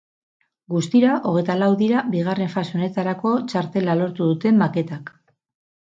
Guztira, hogeita lau dira bigarren fase honetarako txartela lortu duten maketak.